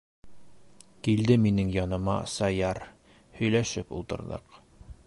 Килде минең яныма Саяр. һөйләшеп ултырҙыҡ.